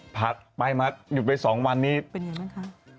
ไปมัดอยู่ไปสองวันนี้เป็นอย่างไรคะ